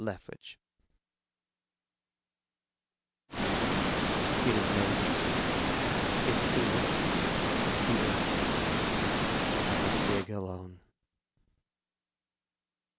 LEFTWICH _It is no use. It's too late. The earth I must dig alone.